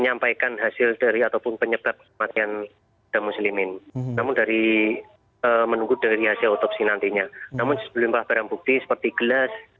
namun dari menunggu dari hasil otopsi nantinya namun sebelum paham bukti seperti gelas